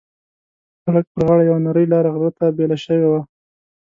د سړک پر غاړه یوه نرۍ لاره غره ته بېله شوې وه.